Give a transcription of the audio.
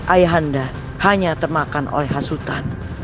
ayah anda hanya termakan oleh khas hutan